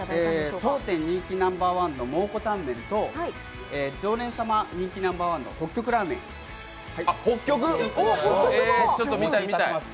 当店人気ナンバーワンの蒙古タンメンと常連様人気ナンバーワンの北極ラーメンをお持ちいたしました。